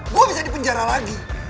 gue bisa dipenjara lagi